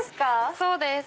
そうです。